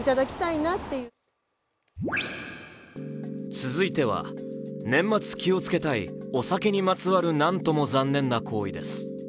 続いては、年末気をつけたい、お酒にまつわる残念な行為です。